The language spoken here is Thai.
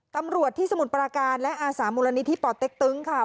ตำรวจที่สมุทรปราการและอาสามูลนิธิป่อเต็กตึงค่ะ